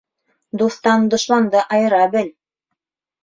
Дуҫтан дошманды айыра бел.